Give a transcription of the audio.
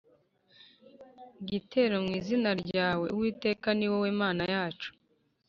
gitero mu izina ryawe Uwiteka ni wowe Mana yacu